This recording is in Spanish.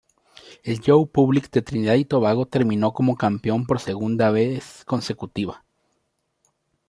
El Joe Public de Trinidad y Tobago terminó como campeón por segunda vez consecutiva.